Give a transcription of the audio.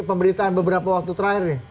pemberitaan beberapa waktu terakhir nih